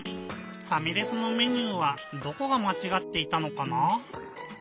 ファミレスのメニューはどこがまちがっていたのかな？